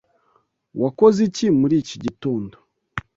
Wakoze iki muri iki gitondo?